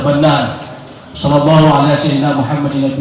pak basuki dan pak sarok